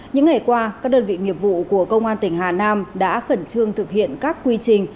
những ngày qua các đơn vị nghiệp vụ của công an tỉnh hà nam đã khẩn trương thực hiện các quy trình